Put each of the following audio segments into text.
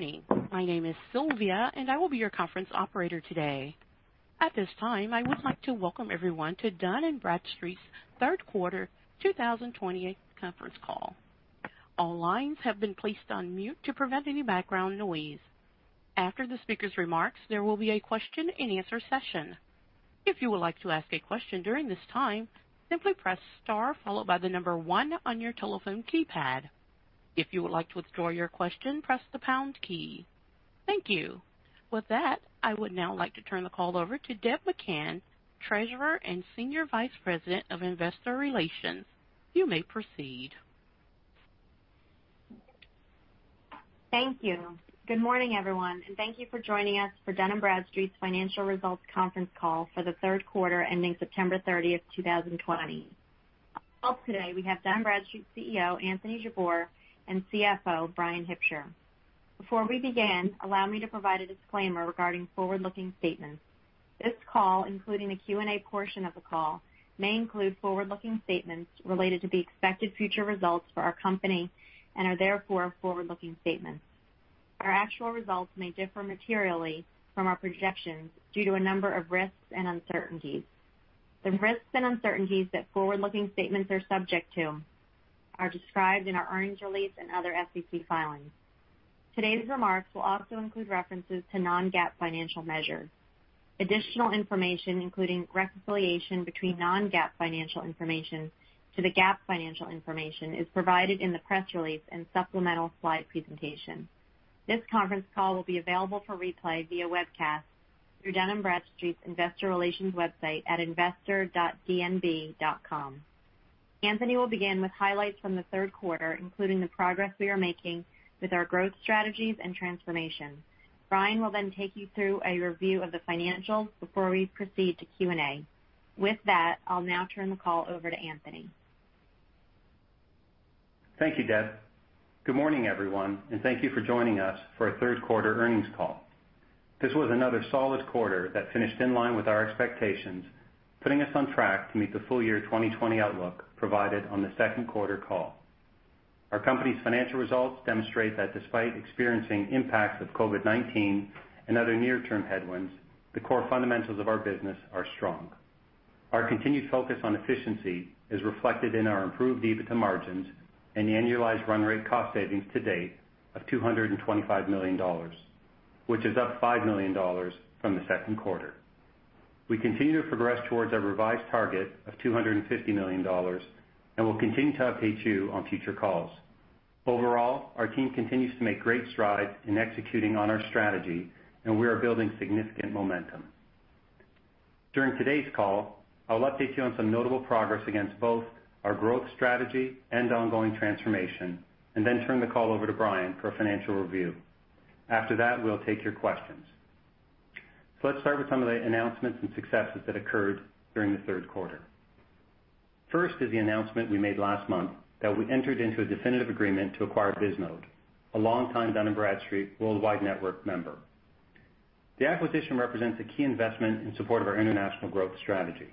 Morning. My name is Sylvia, and I will be your conference operator today. At this time, I would like to welcome everyone to Dun & Bradstreet's third quarter 2020 conference call. All lines have been placed on mute to prevent any background noise. After the speaker's remarks, there will be a Q&A session. If you would like to ask a question during this time, simply press star followed by the number one on your telephone keypad. If you would like to withdraw your question, press the pound key. Thank you. With that, I would now like to turn the call over to Deb McCann, Treasurer and Senior Vice President of Investor Relations. You may proceed. Thank you. Good morning, everyone, and thank you for joining us for Dun & Bradstreet's financial results conference call for the third quarter ending September 30th, 2020. Also today, we have Dun & Bradstreet CEO Anthony Jabbour and CFO Bryan Hipsher. Before we begin, allow me to provide a disclaimer regarding forward-looking statements. This call, including the Q&A portion of the call, may include forward-looking statements related to the expected future results for our company and are therefore forward-looking statements. Our actual results may differ materially from our projections due to a number of risks and uncertainties. The risks and uncertainties that forward-looking statements are subject to are described in our earnings release and other SEC filings. Today's remarks will also include references to non-GAAP financial measures. Additional information, including reconciliation between non-GAAP financial information to the GAAP financial information, is provided in the press release and supplemental slide presentation. This conference call will be available for replay via webcast through Dun & Bradstreet's Investor Relations website at investor.dnb.com. Anthony will begin with highlights from the third quarter, including the progress we are making with our growth strategies and transformation. Bryan will then take you through a review of the financials before we proceed to Q&A. With that, I'll now turn the call over to Anthony. Thank you, Deb. Good morning, everyone, and thank you for joining us for our third quarter earnings call. This was another solid quarter that finished in line with our expectations, putting us on track to meet the full year 2020 outlook provided on the second quarter call. Our company's financial results demonstrate that despite experiencing impacts of COVID-19 and other near-term headwinds, the core fundamentals of our business are strong. Our continued focus on efficiency is reflected in our improved EBITDA margins and annualized run rate cost savings to date of $225 million, which is up $5 million from the second quarter. We continue to progress towards our revised target of $250 million and will continue to update you on future calls. Overall, our team continues to make great strides in executing on our strategy, and we are building significant momentum. During today's call, I will update you on some notable progress against both our growth strategy and ongoing transformation and then turn the call over to Bryan for a financial review. After that, we'll take your questions. Let's start with some of the announcements and successes that occurred during the third quarter. First is the announcement we made last month that we entered into a definitive agreement to acquire Bisnode, a longtime Dun & Bradstreet worldwide network member. The acquisition represents a key investment in support of our international growth strategy.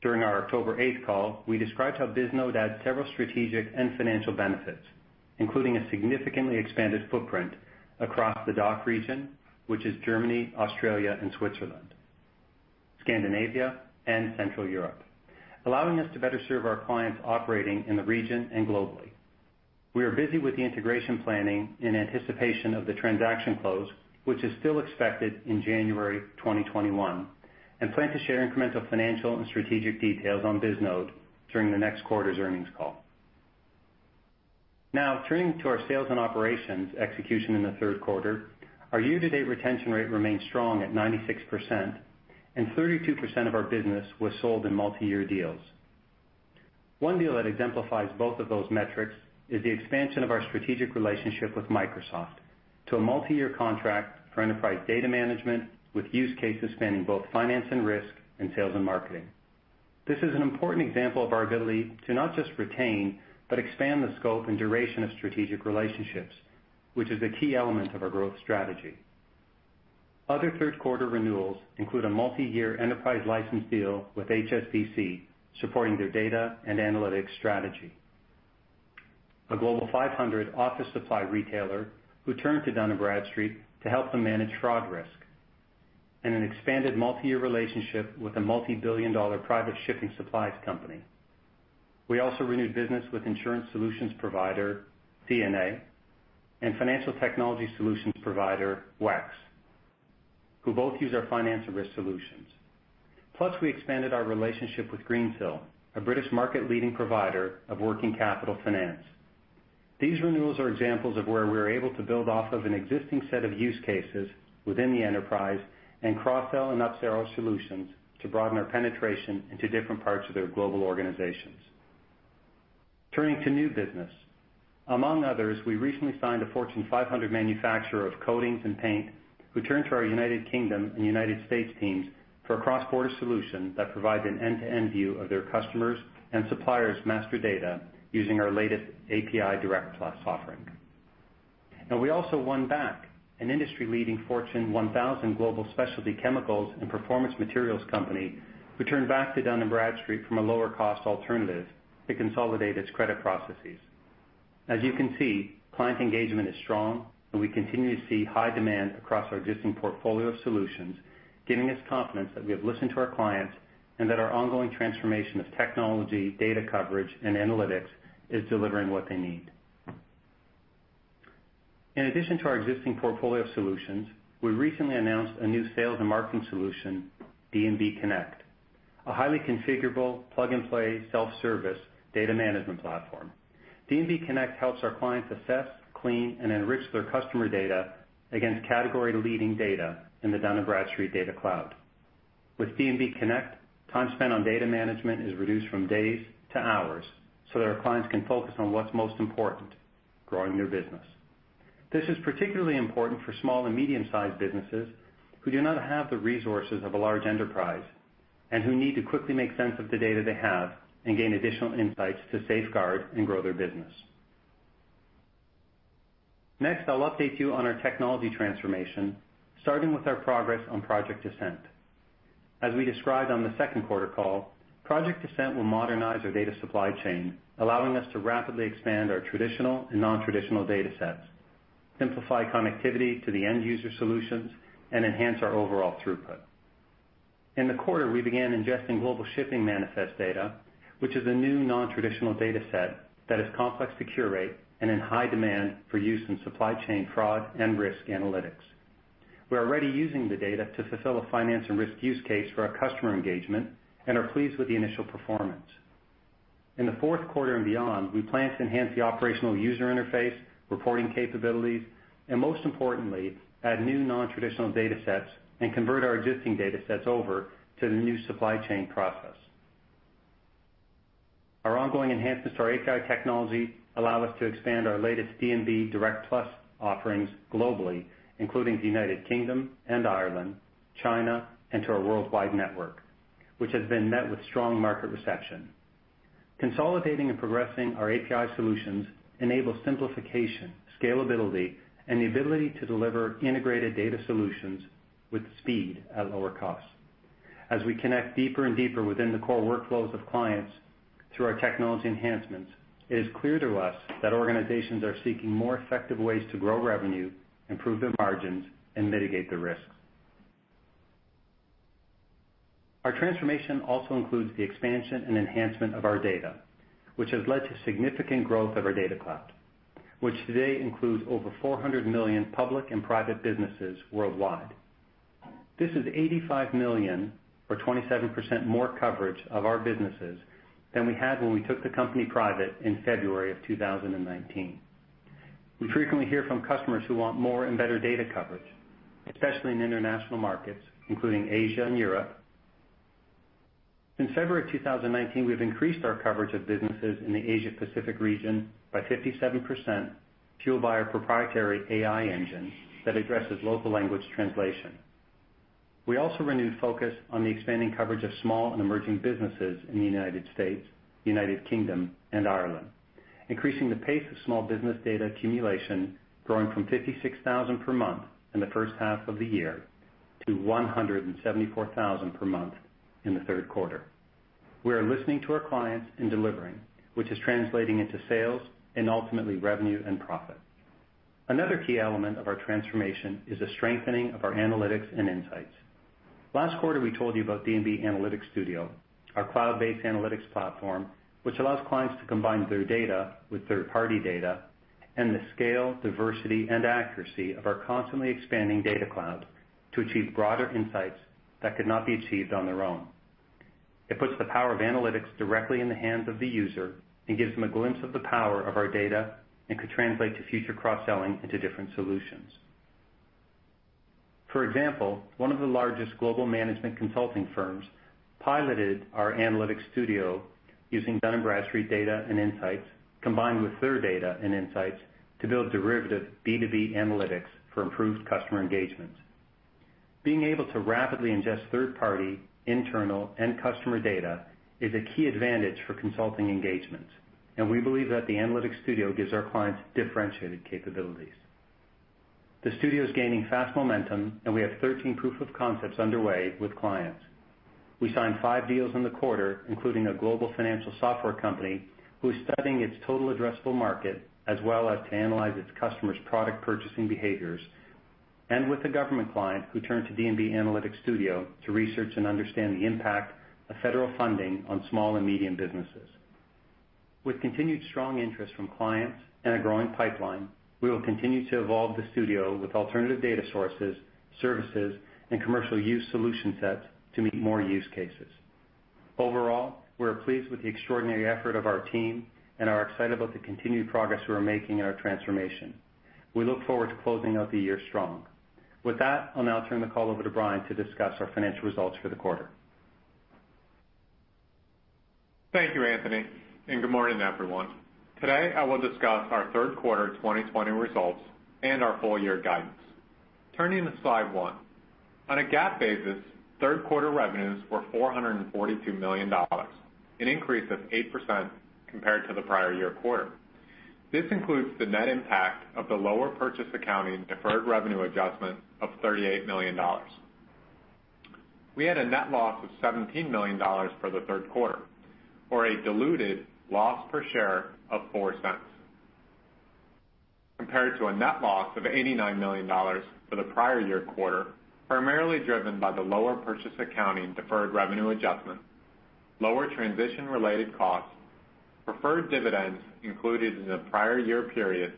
During our October 8th call, we described how Bisnode adds several strategic and financial benefits, including a significantly expanded footprint across the DACH region, which is Germany, Austria, and Switzerland, Scandinavia, and Central Europe, allowing us to better serve our clients operating in the region and globally. We are busy with the integration planning in anticipation of the transaction close, which is still expected in January 2021, and plan to share incremental financial and strategic details on Bisnode during the next quarter's earnings call. Now, turning to our sales and operations execution in the third quarter. Our year-to-date retention rate remains strong at 96%, and 32% of our business was sold in multi-year deals. One deal that exemplifies both of those metrics is the expansion of our strategic relationship with Microsoft to a multi-year contract for enterprise data management with use cases spanning both finance and risk, and sales and marketing. This is an important example of our ability to not just retain but expand the scope and duration of strategic relationships, which is a key element of our growth strategy. Other third quarter renewals include a multi-year enterprise license deal with HSBC supporting their data and analytics strategy. A Global 500 office supply retailer who turned to Dun & Bradstreet to help them manage fraud risk, and an expanded multi-year relationship with a multi-billion dollar private shipping supplies company. We also renewed business with insurance solutions provider CNA and financial technology solutions provider WEX, who both use our finance and risk solutions. We expanded our relationship with Greensill, a British market leading provider of working capital finance. These renewals are examples of where we are able to build off of an existing set of use cases within the enterprise and cross-sell and up-sell solutions to broaden our penetration into different parts of their global organizations. Turning to new business. Among others, we recently signed a Fortune 500 manufacturer of coatings and paint who turned to our U.K. and U.S. teams for a cross-border solution that provides an end-to-end view of their customers' and suppliers' master data using our latest API Direct+ offering. We also won back an industry leading Fortune 1,000 global specialty chemicals and performance materials company returned back to Dun & Bradstreet from a lower cost alternative to consolidate its credit processes. As you can see, client engagement is strong and we continue to see high demand across our existing portfolio of solutions, giving us confidence that we have listened to our clients and that our ongoing transformation of technology, data coverage, and analytics is delivering what they need. In addition to our existing portfolio of solutions, we recently announced a new sales and marketing solution, D&B Connect, a highly configurable plug-and-play self-service data management platform. D&B Connect helps our clients assess, clean, and enrich their customer data against category-leading data in the Dun & Bradstreet Data Cloud. With D&B Connect, time spent on data management is reduced from days to hours, so that our clients can focus on what's most important, growing their business. This is particularly important for small and medium-sized businesses who do not have the resources of a large enterprise, and who need to quickly make sense of the data they have and gain additional insights to safeguard and grow their business. Next, I'll update you on our technology transformation, starting with our progress on Project Ascent. As we described on the second quarter call, Project Ascent will modernize our data supply chain, allowing us to rapidly expand our traditional and nontraditional datasets, simplify connectivity to the end user solutions, and enhance our overall throughput. In the quarter, we began ingesting global shipping manifest data, which is a new nontraditional dataset that is complex to curate and in high demand for use in supply chain fraud and risk analytics. We're already using the data to fulfill a finance and risk use case for our customer engagement and are pleased with the initial performance. In the fourth quarter and beyond, we plan to enhance the operational user interface, reporting capabilities, and most importantly, add new nontraditional datasets and convert our existing datasets over to the new supply chain process. Our ongoing enhancements to our API technology allow us to expand our latest D&B Direct+ offerings globally, including the United Kingdom and Ireland, China, and to our worldwide network, which has been met with strong market reception. Consolidating and progressing our API solutions enables simplification, scalability, and the ability to deliver integrated data solutions with speed at lower cost. As we connect deeper and deeper within the core workflows of clients through our technology enhancements, it is clear to us that organizations are seeking more effective ways to grow revenue, improve their margins, and mitigate their risks. Our transformation also includes the expansion and enhancement of our data, which has led to significant growth of our Data Cloud, which today includes over 400 million public and private businesses worldwide. This is $85 million or 27% more coverage of our businesses than we had when we took the company private in February 2019. We frequently hear from customers who want more and better data coverage, especially in international markets, including Asia and Europe. Since February 2019, we've increased our coverage of businesses in the Asia Pacific region by 57%, fueled by our proprietary AI engine that addresses local language translation. We also renewed focus on the expanding coverage of small and emerging businesses in the U.S., U.K., and Ireland, increasing the pace of small business data accumulation growing from 56,000 per month in the first half of the year to 174,000 per month in the third quarter. We are listening to our clients and delivering, which is translating into sales and ultimately revenue and profit. Another key element of our transformation is a strengthening of our analytics and insights. Last quarter, we told you about D&B Analytics Studio, our cloud-based analytics platform, which allows clients to combine their data with third-party data and the scale, diversity, and accuracy of our constantly expanding Data Cloud to achieve broader insights that could not be achieved on their own. It puts the power of analytics directly in the hands of the user and gives them a glimpse of the power of our data and could translate to future cross-selling into different solutions. For example, one of the largest global management consulting firms piloted our Analytics Studio using Dun & Bradstreet data and insights, combined with third data and insights to build derivative B2B analytics for improved customer engagement. Being able to rapidly ingest third party, internal, and customer data is a key advantage for consulting engagements, and we believe that the D&B Analytics Studio gives our clients differentiated capabilities. The studio's gaining fast momentum, and we have 13 proof of concepts underway with clients. We signed five deals in the quarter, including a global financial software company who's studying its total addressable market, as well as to analyze its customers' product purchasing behaviors, and with a government client who turned to D&B Analytics Studio to research and understand the impact of federal funding on small and medium businesses. With continued strong interest from clients and a growing pipeline, we will continue to evolve the studio with alternative data sources, services, and commercial use solution sets to meet more use cases. Overall, we are pleased with the extraordinary effort of our team and are excited about the continued progress we are making in our transformation. We look forward to closing out the year strong. With that, I'll now turn the call over to Bryan to discuss our financial results for the quarter. Thank you, Anthony, and good morning, everyone. Today, I will discuss our third quarter 2020 results and our full year guidance. Turning to slide one. On a GAAP basis, third quarter revenues were $442 million, an increase of 8% compared to the prior year quarter. This includes the net impact of the lower purchase accounting deferred revenue adjustment of $38 million. We had a net loss of $17 million for the third quarter, or a diluted loss per share of $0.04, compared to a net loss of $89 million for the prior year quarter, primarily driven by the lower purchase accounting deferred revenue adjustment, lower transition-related costs, preferred dividends included in the prior year period,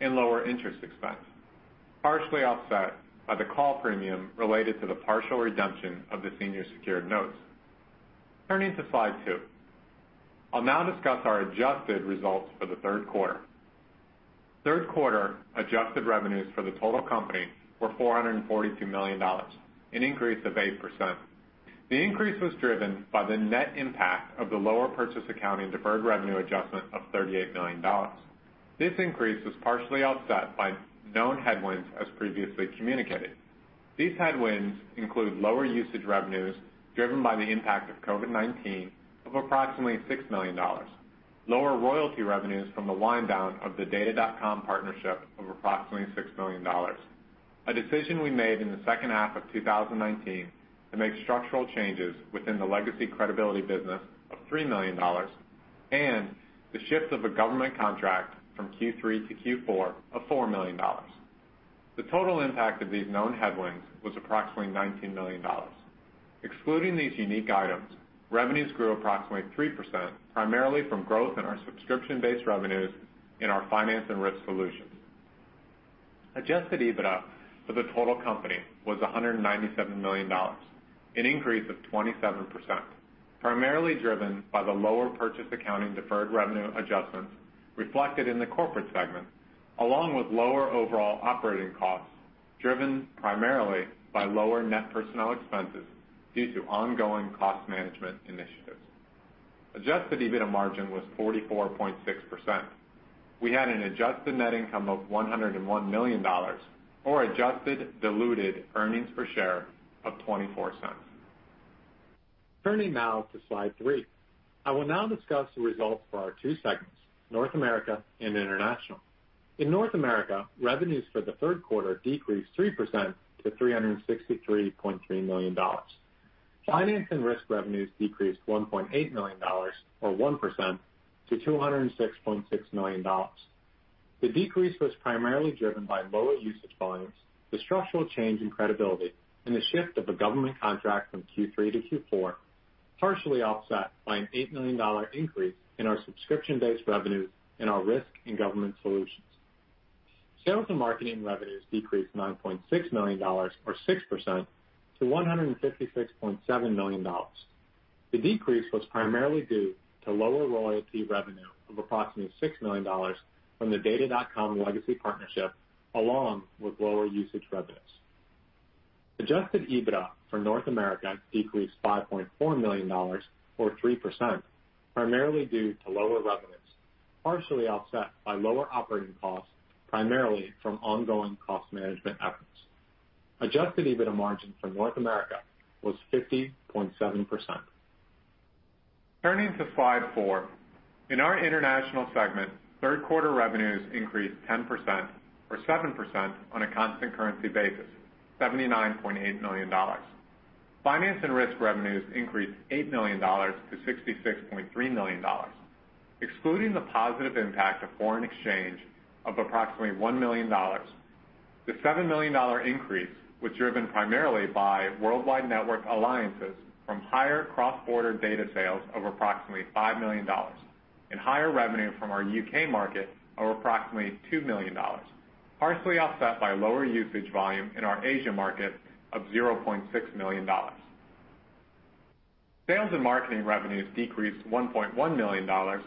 and lower interest expense, partially offset by the call premium related to the partial redemption of the senior secured notes. Turning to slide two. I will now discuss our adjusted results for the third quarter. Third quarter adjusted revenues for the total company were $442 million, an increase of 8%. The increase was driven by the net impact of the lower purchase accounting deferred revenue adjustment of $38 million. This increase was partially offset by known headwinds as previously communicated. These headwinds include lower usage revenues driven by the impact of COVID-19 of approximately $6 million, lower royalty revenues from the wind down of the Data.com partnership of approximately $6 million, a decision we made in the second half of 2019 to make structural changes within the legacy credibility business of $3 million, and the shift of a government contract from Q3 to Q4 of $4 million. The total impact of these known headwinds was approximately $19 million. Excluding these unique items, revenues grew approximately 3%, primarily from growth in our subscription-based revenues in our finance and risk solutions. Adjusted EBITDA for the total company was $197 million, an increase of 27%, primarily driven by the lower purchase accounting deferred revenue adjustments reflected in the corporate segment, along with lower overall operating costs driven primarily by lower net personnel expenses due to ongoing cost management initiatives. Adjusted EBITDA margin was 44.6%. We had an adjusted net income of $101 million, or adjusted diluted earnings per share of $0.24. Turning now to slide three. I will now discuss the results for our two segments, North America and International. In North America, revenues for the third quarter decreased 3% to $363.3 million. Finance and risk revenues decreased $1.8 million, or 1%, to $206.6 million. The decrease was primarily driven by lower usage volumes, the structural change in credibility, and the shift of a government contract from Q3 to Q4, partially offset by an $8 million increase in our subscription-based revenues in our risk and government solutions. Sales and marketing revenues decreased $9.6 million, or 6%, to $156.7 million. The decrease was primarily due to lower royalty revenue of approximately $6 million from the Data.com legacy partnership, along with lower usage revenues. Adjusted EBITDA for North America decreased $5.4 million, or 3%, primarily due to lower revenues, partially offset by lower operating costs, primarily from ongoing cost management efforts. Adjusted EBITDA margin for North America was 50.7%. Turning to slide four. In our International segment, third quarter revenues increased 10%, or 7% on a constant currency basis, $79.8 million. Finance and risk revenues increased $8 million to $66.3 million. Excluding the positive impact of foreign exchange of approximately $1 million, the $7 million increase was driven primarily by Worldwide Network alliances from higher cross-border data sales of approximately $5 million and higher revenue from our U.K. market of approximately $2 million, partially offset by lower usage volume in our Asia market of $0.6 million. Sales and Marketing revenues decreased $1.1 million to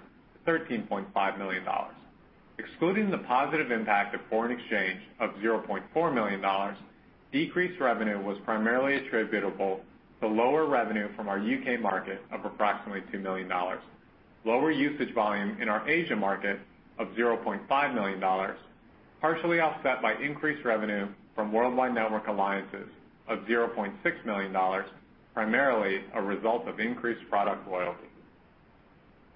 $13.5 million. Excluding the positive impact of foreign exchange of $0.4 million, decreased revenue was primarily attributable to lower revenue from our U.K. market of approximately $2 million. Lower usage volume in our Asia market of $0.5 million, partially offset by increased revenue from Worldwide Network alliances of $0.6 million, primarily a result of increased product loyalty.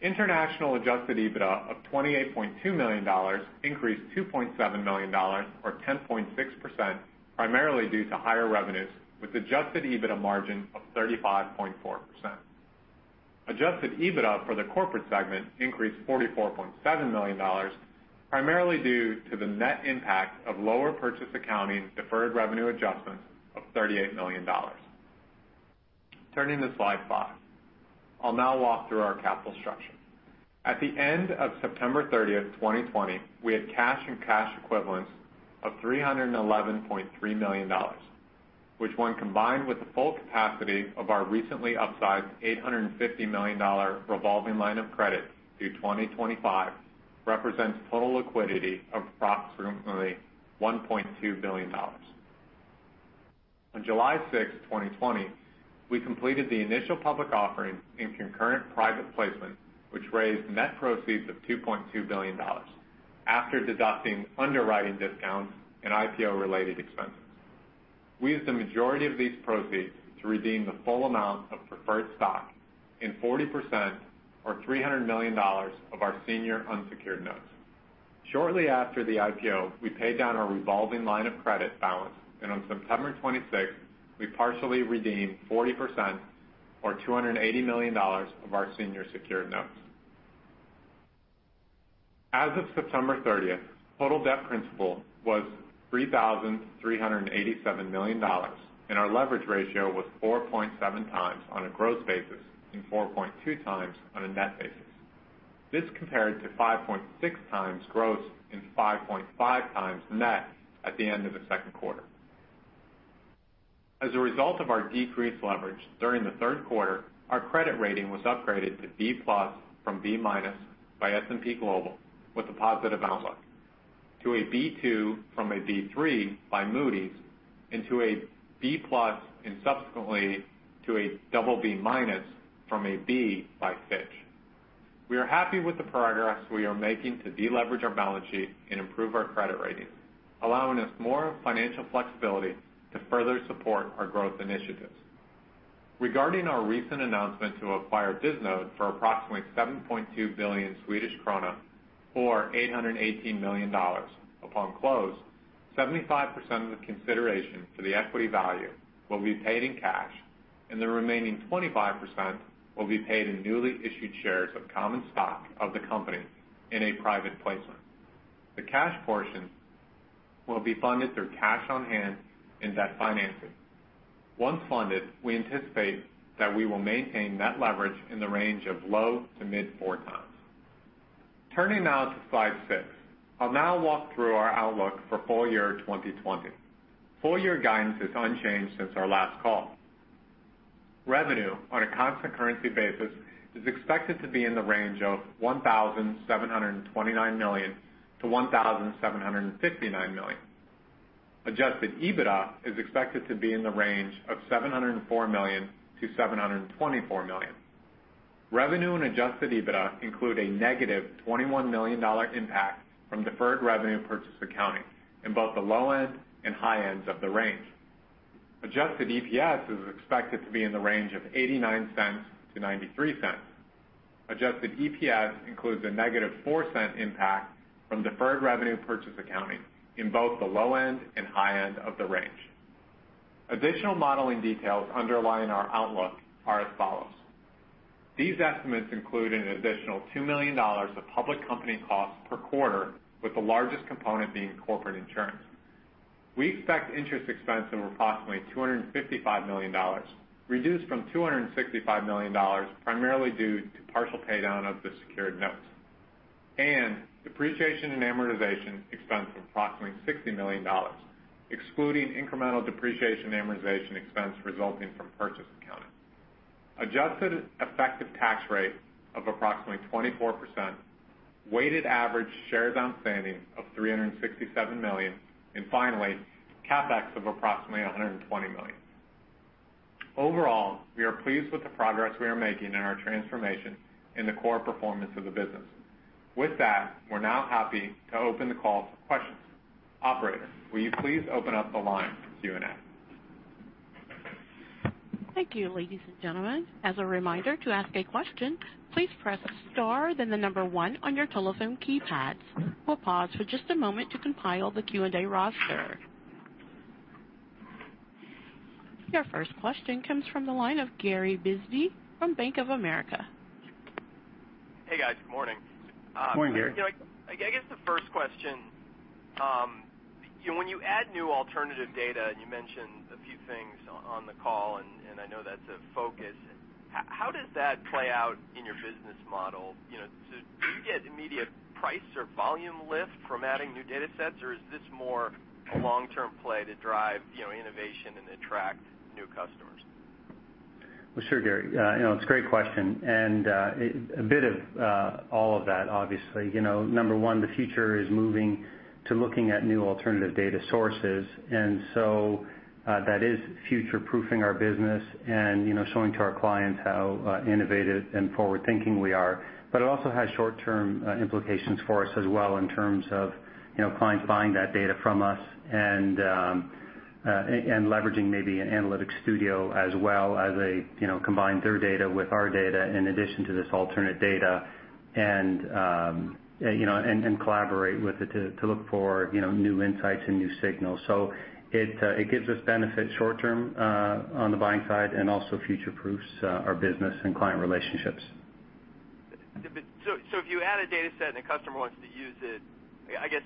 International adjusted EBITDA of $28.2 million increased $2.7 million, or 10.6%, primarily due to higher revenues, with adjusted EBITDA margin of 35.4%. Adjusted EBITDA for the corporate segment increased $44.7 million, primarily due to the net impact of lower purchase accounting deferred revenue adjustments of $38 million. Turning to slide five. I'll now walk through our capital structure. At the end of September 30th, 2020, we had cash and cash equivalents of $311.3 million, which when combined with the full capacity of our recently upsized $850 million revolving line of credit through 2025, represents total liquidity of approximately $1.2 billion. On July 6th, 2020, we completed the initial public offering in concurrent private placement, which raised net proceeds of $2.2 billion after deducting underwriting discounts and IPO-related expenses. We used the majority of these proceeds to redeem the full amount of preferred stock and 40%, or $300 million, of our senior unsecured notes. Shortly after the IPO, we paid down our revolving line of credit balance, and on September 26th, we partially redeemed 40%, or $280 million, of our senior secured notes. As of September 30th, total debt principal was $3,387 million, and our leverage ratio was 4.7 times on a gross basis, and 4.2 times on a net basis. This compared to 5.6 times gross and 5.5 times net at the end of the second quarter. As a result of our decreased leverage during the third quarter, our credit rating was upgraded to B+ from B- by S&P Global with a positive outlook, to a B2 from a B3 by Moody's, and to a B+ and subsequently to a BB- from a B by Fitch. We are happy with the progress we are making to de-leverage our balance sheet and improve our credit rating, allowing us more financial flexibility to further support our growth initiatives. Regarding our recent announcement to acquire Bisnode for approximately 7.2 billion Swedish krona, or $818 million, upon close, 75% of the consideration for the equity value will be paid in cash, and the remaining 25% will be paid in newly issued shares of common stock of the company in a private placement. The cash portion will be funded through cash on hand and debt financing. Once funded, we anticipate that we will maintain that leverage in the range of low to mid four times. Turning now to slide six. I'll now walk through our outlook for full year 2020. Full year guidance is unchanged since our last call. Revenue on a constant currency basis is expected to be in the range of $1,729 million to $1,759 million. Adjusted EBITDA is expected to be in the range of $704 million to $724 million. Revenue and adjusted EBITDA include a negative $21 million impact from deferred revenue purchase accounting in both the low end and high ends of the range. Adjusted EPS is expected to be in the range of $0.89-$0.93. Adjusted EPS includes a negative $0.04 impact from deferred revenue purchase accounting in both the low end and high end of the range. Additional modeling details underlying our outlook are as follows. These estimates include an additional $2 million of public company costs per quarter, with the largest component being corporate insurance. We expect interest expense of approximately $255 million, reduced from $265 million, primarily due to partial pay-down of the secured notes. Depreciation and amortization expense of approximately $60 million, excluding incremental depreciation and amortization expense resulting from purchase accounting. Adjusted effective tax rate of approximately 24%, weighted average shares outstanding of 367 million, and finally, CapEx of approximately $120 million. Overall, we are pleased with the progress we are making in our transformation in the core performance of the business. With that, we are now happy to open the call to questions. Operator, will you please open up the line for Q&A? Thank you, ladies and gentlemen. As a reminder, to ask a question please press star then the number one on your telephone keypads. We will pause for just a moment to compile the Q&A roster. Your first question comes from the line of Gary Bisbee from Bank of America. Hey, guys. Good morning. Morning, Gary. I guess the first question, when you add new alternative data, and you mentioned a few things on the call, and I know that's a focus, how does that play out in your business model? Do you get immediate price or volume lift from adding new data sets, or is this more a long-term play to drive innovation and attract new customers? Well, sure, Gary. It's a great question, and a bit of all of that, obviously. Number one, the future is moving to looking at new alternative data sources. That is future-proofing our business and showing to our clients how innovative and forward-thinking we are. It also has short-term implications for us as well in terms of clients buying that data from us and leveraging maybe an analytic studio as well as they combine their data with our data in addition to this alternate data, and collaborate with it to look for new insights and new signals. It gives us benefit short-term on the buying side and also future-proofs our business and client relationships. If you add a data set and a customer wants to use it, I guess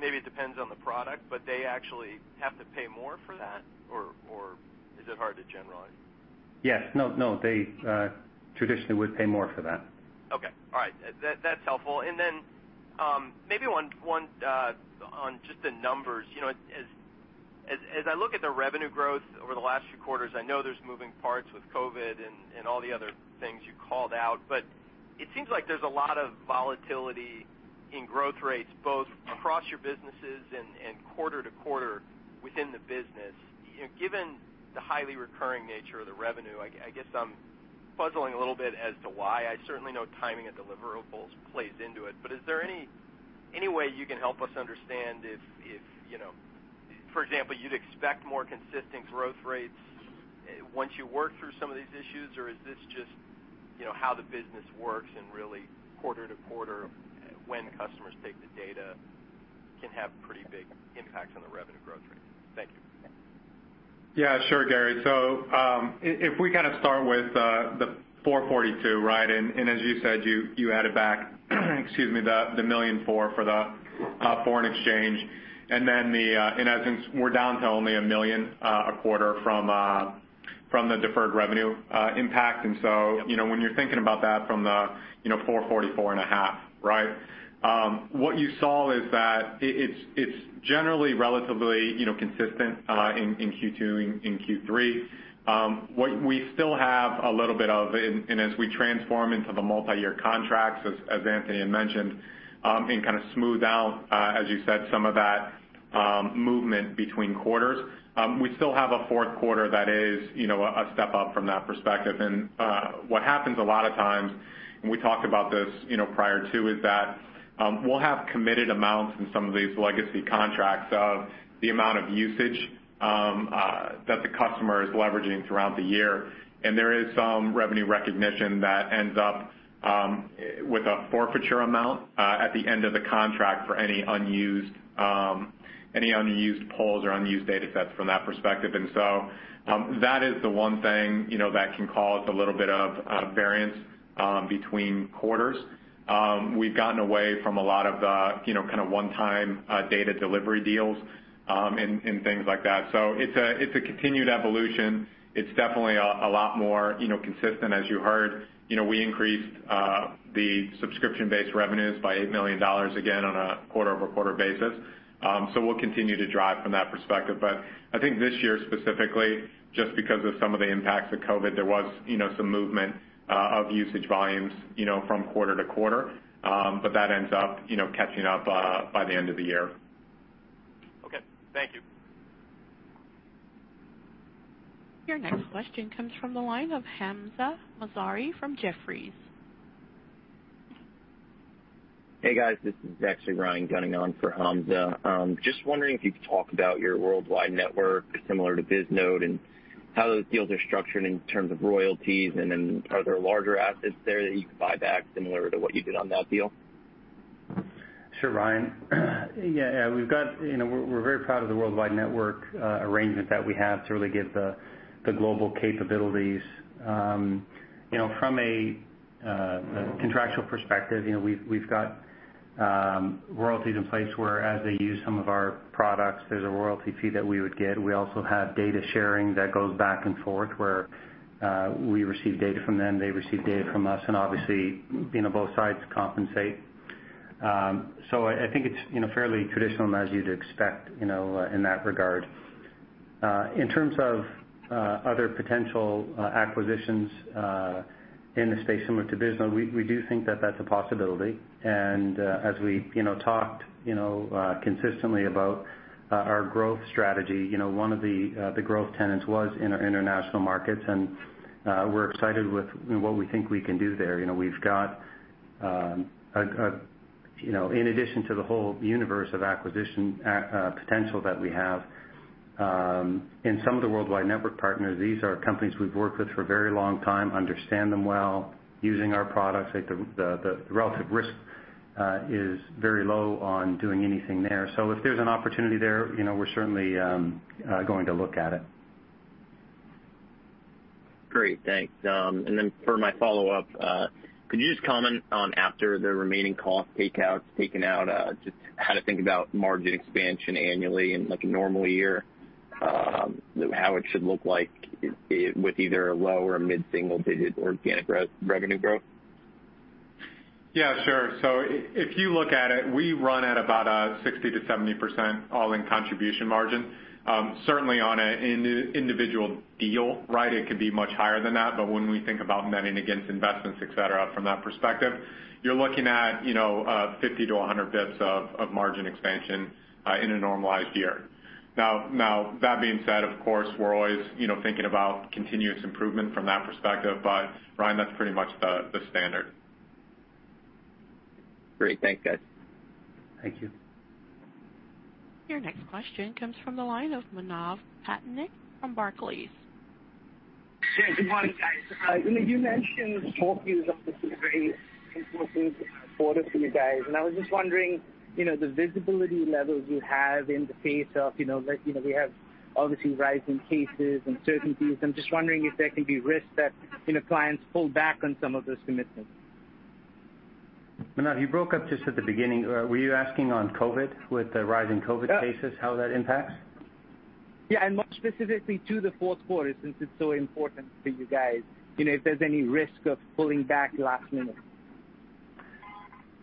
maybe it depends on the product, but they actually have to pay more for that? Or is it hard to generalize? Yes. No, they traditionally would pay more for that. Okay. All right. That's helpful. Then maybe one on just the numbers. As I look at the revenue growth over the last few quarters, I know there's moving parts with COVID and all the other things you called out, but it seems like there's a lot of volatility in growth rates, both across your businesses and quarter to quarter within the business, given the highly recurring nature of the revenue, I guess I'm puzzling a little bit as to why. I certainly know timing of deliverables plays into it, is there any way you can help us understand if, for example, you'd expect more consistent growth rates once you work through some of these issues? Or is this just how the business works and really quarter to quarter when customers take the data can have pretty big impacts on the revenue growth rate? Thank you. Yeah, sure, Gary. If we start with the $442, right? As you said, you added back the $1.4 million for the foreign exchange, we're down to only a million, a quarter from the deferred revenue impact. Yep. When you're thinking about that from the 444 and a half, right? What you saw is that it's generally relatively consistent in Q2, in Q3. What we still have a little bit of, and as we transform into the multi-year contracts as Anthony had mentioned, and kind of smooth out, as you said, some of that movement between quarters. We still have a fourth quarter that is a step up from that perspective. What happens a lot of times, and we talked about this prior too, is that we'll have committed amounts in some of these legacy contracts of the amount of usage that the customer is leveraging throughout the year. There is some revenue recognition that ends up with a forfeiture amount at the end of the contract for any unused polls or unused data sets from that perspective. That is the one thing that can cause a little bit of a variance between quarters. We've gotten away from a lot of the one-time data delivery deals and things like that. It's a continued evolution. It's definitely a lot more consistent as you heard. We increased the subscription-based revenues by $8 million, again, on a quarter-over-quarter basis. We'll continue to drive from that perspective. I think this year specifically, just because of some of the impacts of COVID, there was some movement of usage volumes from quarter to quarter. That ends up catching up by the end of the year. Okay. Thank you. Your next question comes from the line of Hamzah Mazari from Jefferies. Hey, guys. This is actually Ryan Gunning on for Hamzah. Just wondering if you could talk about your worldwide network similar to Bisnode and how those deals are structured in terms of royalties. Are there larger assets there that you could buy back similar to what you did on that deal? Sure, Ryan. We're very proud of the worldwide network arrangement that we have to really give the global capabilities. From a contractual perspective, we've got royalties in place where as they use some of our products, there's a royalty fee that we would get. We also have data sharing that goes back and forth where we receive data from them, they receive data from us, and obviously both sides compensate. I think it's fairly traditional and as you'd expect in that regard. In terms of other potential acquisitions in the space similar to Bisnode, we do think that that's a possibility. As we talked consistently about our growth strategy, one of the growth tenets was international markets, and we're excited with what we think we can do there. In addition to the whole universe of acquisition potential that we have, in some of the Worldwide Network partners, these are companies we've worked with for a very long time, understand them well, using our products. The relative risk is very low on doing anything there. If there's an opportunity there, we're certainly going to look at it. Great, thanks. For my follow-up, could you just comment on after the remaining cost takeouts taken out, just how to think about margin expansion annually in, like, a normal year? How it should look like with either a low or a mid-single-digit organic revenue growth? Yeah, sure. If you look at it, we run at about a 60%-70% all-in contribution margin. Certainly on an individual deal, right, it could be much higher than that. When we think about netting against investments, et cetera, from that perspective, you're looking at 50-100 basis points of margin expansion in a normalized year. That being said, of course, we're always thinking about continuous improvement from that perspective. Ryan, that's pretty much the standard. Great. Thanks, guys. Thank you. Your next question comes from the line of Manav Patnaik from Barclays. Yeah, good morning, guys. You mentioned Q4 is obviously a very important quarter for you guys, and I was just wondering the visibility levels you have in the face of we have obviously rising cases, uncertainties. I'm just wondering if there can be risks that clients pull back on some of those commitments? Manav, you broke up just at the beginning. Were you asking on COVID, with the rise in COVID cases? Yeah. How that impacts? Yeah, and more specifically to the fourth quarter since it's so important for you guys. If there's any risk of pulling back last minute?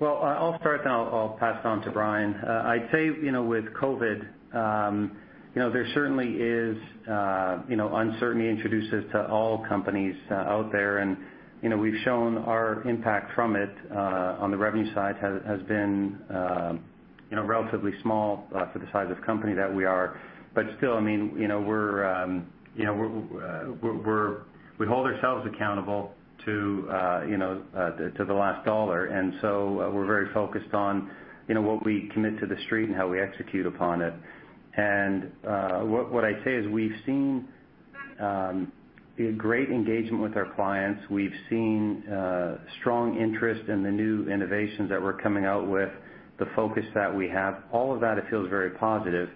I'll start then I'll pass it on to Bryan. I'd say with COVID, there certainly is uncertainty introduced to all companies out there. We've shown our impact from it on the revenue side has been relatively small for the size of company that we are. Still, we hold ourselves accountable to the last dollar. We're very focused on what we commit to the Street and how we execute upon it. What I'd say is we've seen a great engagement with our clients. We've seen strong interest in the new innovations that we're coming out with, the focus that we have, all of that, it feels very positive.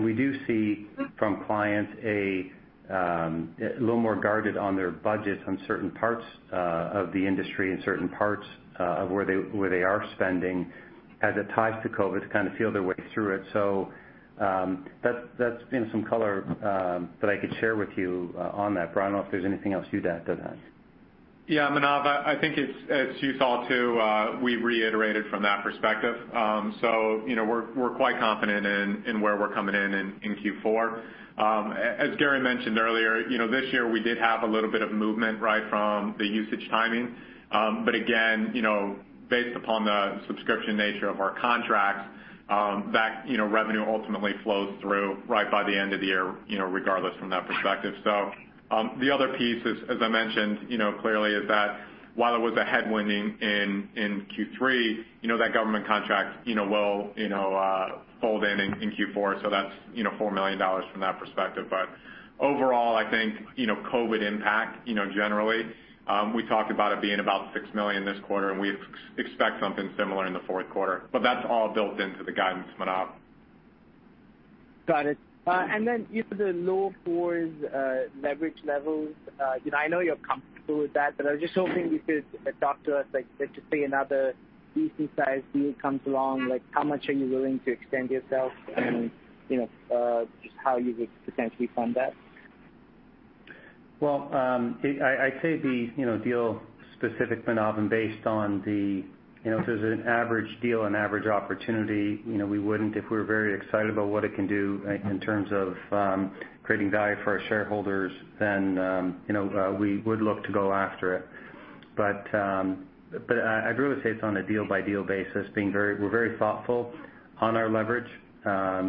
We do see from clients a little more guarded on their budgets on certain parts of the industry and certain parts of where they are spending as it ties to COVID to kind of feel their way through it. That's been some color that I could share with you on that. Bryan, I don't know if there's anything else you'd add to that. Manav, I think as you saw, too, we reiterated from that perspective. We're quite confident in where we're coming in in Q4. As Gary mentioned earlier, this year we did have a little bit of movement right from the usage timing. Based upon the subscription nature of our contracts, that revenue ultimately flows through right by the end of the year, regardless from that perspective. The other piece as I mentioned clearly, is that while there was a headwind in Q3, that government contract will fold in Q4, that's $4 million from that perspective. Overall, I think COVID impact, generally, we talked about it being about $6 million this quarter, and we expect something similar in the fourth quarter. That's all built into the guidance, Manav. Got it. You have the low 4s leverage levels. I know you're comfortable with that, but I was just hoping you could talk to us, like, say another decent-size deal comes along, how much are you willing to extend yourself and just how you would potentially fund that? Well, I'd say the deal specific, Manav. If it was an average deal, an average opportunity, we wouldn't. If we're very excited about what it can do in terms of creating value for our shareholders, then we would look to go after it. I'd really say it's on a deal-by-deal basis. We're very thoughtful on our leverage. At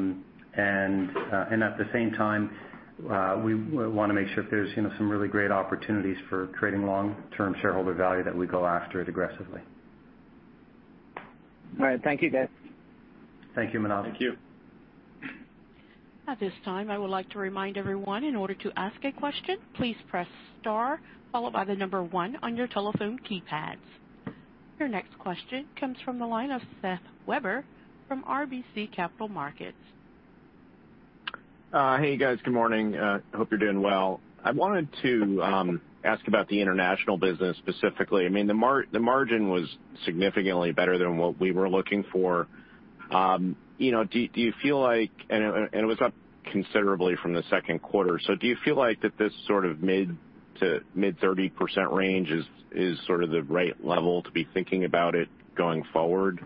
the same time, we want to make sure if there's some really great opportunities for creating long-term shareholder value that we go after it aggressively. All right. Thank you, guys. Thank you, Manav. Thank you. At this time, I would like to remind everyone, in order to ask a question, please press star followed by the number one on your telephone keypads. Your next question comes from the line of Seth Weber from RBC Capital Markets. Hey, guys. Good morning. Hope you're doing well. I wanted to ask about the international business specifically. The margin was significantly better than what we were looking for. It was up considerably from the second quarter. Do you feel like that this sort of mid to mid 30% range is sort of the right level to be thinking about it going forward?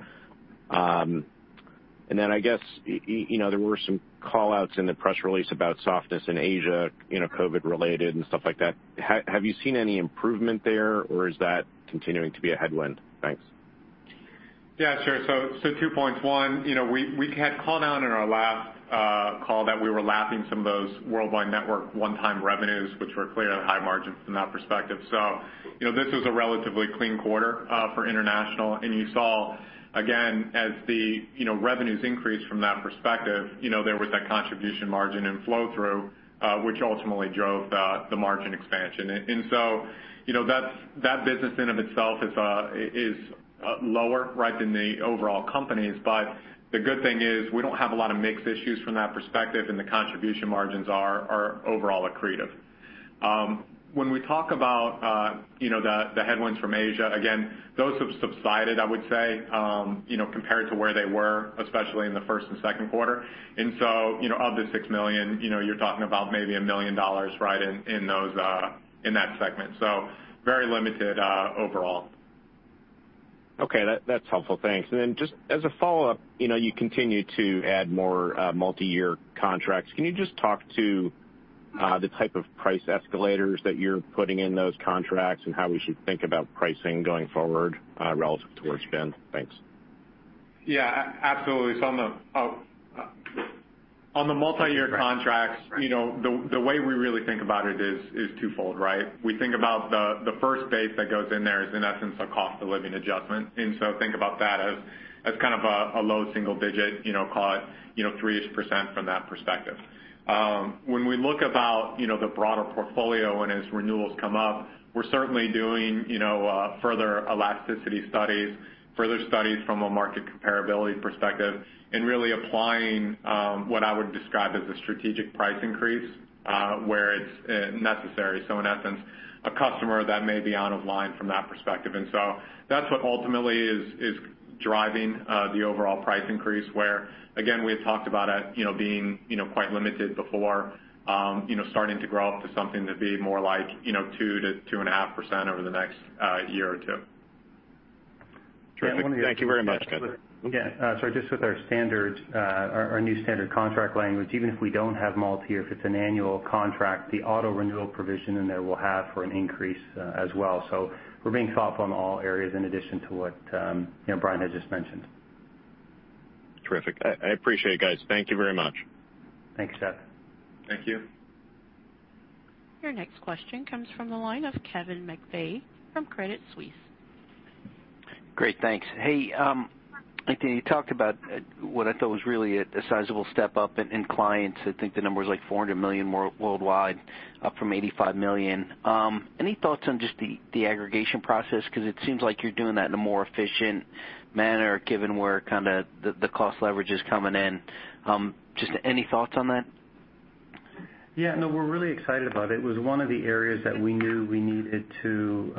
I guess, there were some call-outs in the press release about softness in Asia, COVID related and stuff like that. Have you seen any improvement there, or is that continuing to be a headwind? Thanks. Two points. One, we had called out in our last call that we were lapping some of those worldwide network one-time revenues, which were clearly high margin from that perspective. You saw, again, as the revenues increased from that perspective, there was that contribution margin and flow-through, which ultimately drove the margin expansion. That business in of itself is lower, right, than the overall company. The good thing is we don't have a lot of mix issues from that perspective, and the contribution margins are overall accretive. When we talk about the headwinds from Asia, again, those have subsided, I would say, compared to where they were, especially in the first and second quarter. Of the $6 million, you're talking about maybe $1 million right in that segment. Very limited overall. Okay. That's helpful. Thanks. Just as a follow-up, you continue to add more multi-year contracts. Can you just talk to the type of price escalators that you're putting in those contracts and how we should think about pricing going forward relative to what you've been? Thanks. On the multi-year contracts, the way we really think about it is twofold. We think about the first base that goes in there is in essence a Cost-of-Living Adjustment. Think about that as kind of a low single digit, call it 3% from that perspective. When we look about the broader portfolio and as renewals come up, we're certainly doing further elasticity studies, further studies from a market comparability perspective, and really applying what I would describe as a strategic price increase where it's necessary. In essence, a customer that may be out of line from that perspective. That's what ultimately is driving the overall price increase, where again, we had talked about it being quite limited before starting to grow up to something to be more like 2%-2.5% over the next year or two. Terrific. Thank you very much. Yeah. Sorry, just with our new standard contract language, even if we don't have multi-year, if it's an annual contract, the auto renewal provision in there will have for an increase as well. We're being thoughtful in all areas in addition to what Bryan had just mentioned. Terrific. I appreciate it, guys. Thank you very much. Thanks, Seth. Thank you. Your next question comes from the line of Kevin McVeigh from Credit Suisse. Great, thanks. Hey, I think you talked about what I thought was really a sizable step up in clients. I think the number was like $400 million worldwide, up from $85 million. Any thoughts on just the aggregation process? It seems like you're doing that in a more efficient manner, given where the cost leverage is coming in. Just any thoughts on that? Yeah, no, we're really excited about it. It was one of the areas that we knew we needed to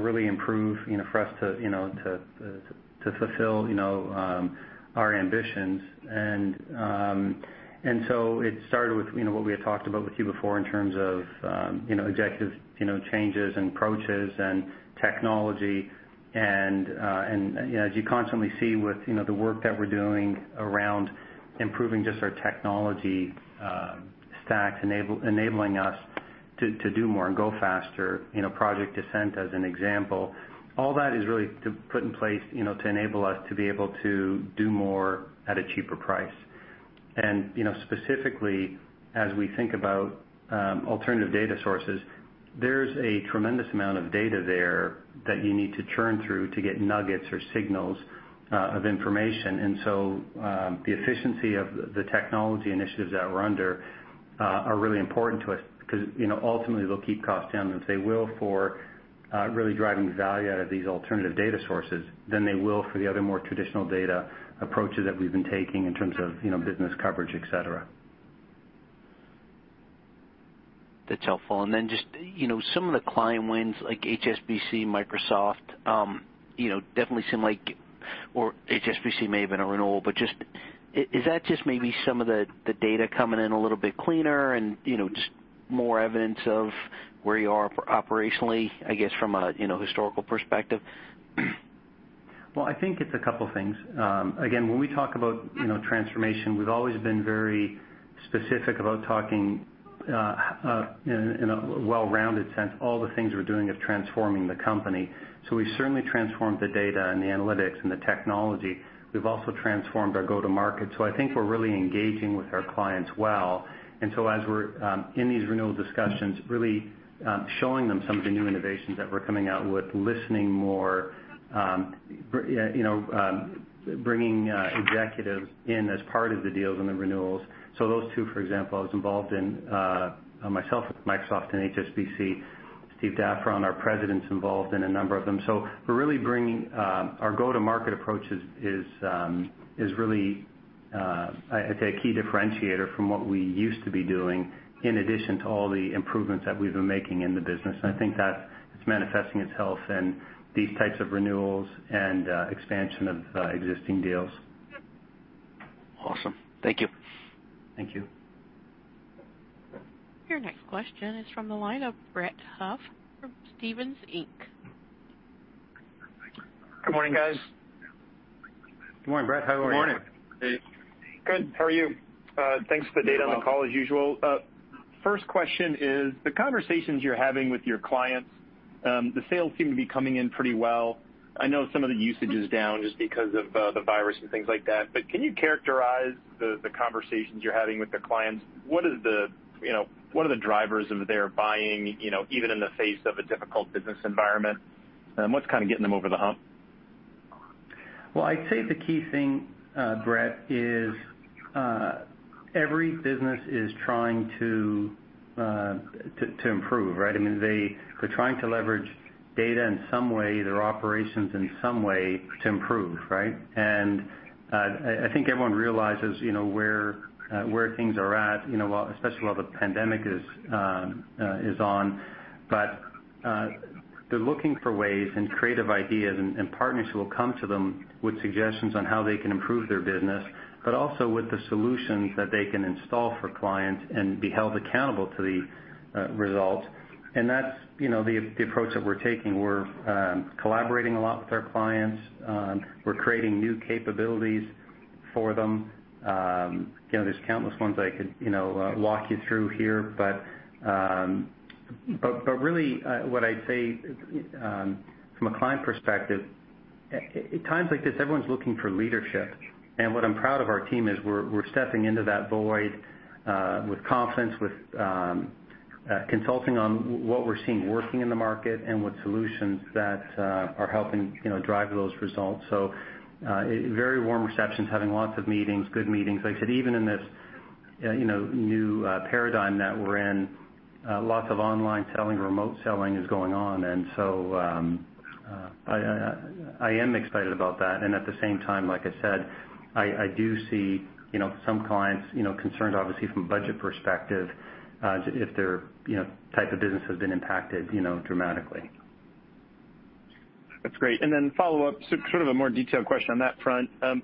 really improve for us to fulfill our ambitions. It started with what we had talked about with you before in terms of executive changes and approaches and technology. As you constantly see with the work that we're doing around improving just our technology stacks, enabling us to do more and go faster, Project Ascent as an example. All that is really to put in place to enable us to be able to do more at a cheaper price. Specifically, as we think about alternative data sources, there's a tremendous amount of data there that you need to churn through to get nuggets or signals of information. The efficiency of the technology initiatives that we're under are really important to us because ultimately they'll keep costs down as they will for really driving value out of these alternative data sources than they will for the other more traditional data approaches that we've been taking in terms of business coverage, et cetera. That's helpful. Just some of the client wins like HSBC, Microsoft, or HSBC may have been a renewal, but is that just maybe some of the data coming in a little bit cleaner and just more evidence of where you are operationally, I guess, from a historical perspective? I think it's a couple things. Again, when we talk about transformation, we've always been very specific about talking in a well-rounded sense, all the things we're doing is transforming the company. We've certainly transformed the data and the analytics and the technology. We've also transformed our go-to-market. I think we're really engaging with our clients well. As we're in these renewal discussions, really showing them some of the new innovations that we're coming out with, listening more, bringing executives in as part of the deals and the renewals. Those two, for example, I was involved in myself with Microsoft and HSBC. Steve Daffron, our president's involved in a number of them. We're really bringing our go-to-market approach is really I'd say a key differentiator from what we used to be doing in addition to all the improvements that we've been making in the business. I think that it's manifesting itself in these types of renewals and expansion of existing deals. Awesome. Thank you. Thank you. Your next question is from the line of Brett Huff from Stephens Inc. Good morning, guys. Good morning, Brett. How are you? Good morning. Good. How are you? Thanks for the date on the call as usual. First question is the conversations you're having with your clients, the sales seem to be coming in pretty well. I know some of the usage is down just because of the virus and things like that. Can you characterize the conversations you're having with the clients? What are the drivers of their buying even in the face of a difficult business environment? What's kind of getting them over the hump? Well, I'd say the key thing, Brett, is every business is trying to improve, right? I mean, they're trying to leverage data in some way, their operations in some way to improve, right? I think everyone realizes where things are at, especially while the pandemic is on. They're looking for ways and creative ideas and partners who will come to them with suggestions on how they can improve their business, but also with the solutions that they can install for clients and be held accountable to the results. That's the approach that we're taking. We're collaborating a lot with our clients. We're creating new capabilities for them. There's countless ones I could walk you through here, but really what I'd say from a client perspective, at times like this, everyone's looking for leadership. What I'm proud of our team is we're stepping into that void with confidence, with consulting on what we're seeing working in the market and with solutions that are helping drive those results. Very warm receptions, having lots of meetings, good meetings. Like I said, even in this new paradigm that we're in lots of online selling, remote selling is going on. I am excited about that. At the same time, like I said, I do see some clients concerned obviously from budget perspective if their type of business has been impacted dramatically. That's great. Follow up, sort of a more detailed question on that front. There's